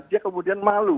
dia kemudian malu